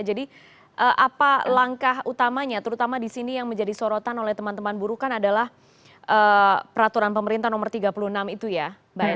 jadi apa langkah utamanya terutama di sini yang menjadi sorotan oleh teman teman buruh kan adalah peraturan pemerintah nomor tiga puluh enam itu ya mbak eli